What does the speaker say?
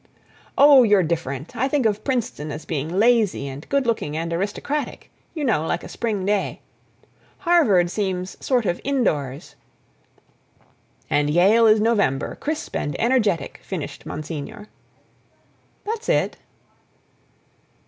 "Oh, you're different—I think of Princeton as being lazy and good looking and aristocratic—you know, like a spring day. Harvard seems sort of indoors—" "And Yale is November, crisp and energetic," finished Monsignor. "That's it."